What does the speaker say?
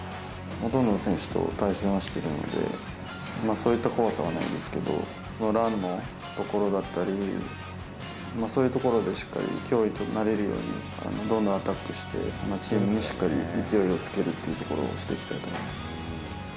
ほとんどの選手と対戦はしているので、そういった怖さはないですけど、ランのところだったり、そういうところでしっかり脅威となれるように、どんどんアタックして、チームにしっかり勢いをつけるっていうところをしていきたいと思